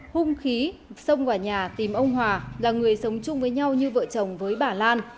hung khí xông vào nhà tìm ông hòa là người sống chung với nhau như vợ chồng với bà lan